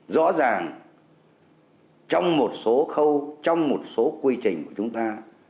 rõ ràng trong một số khâu trong một số quy trình của chúng ta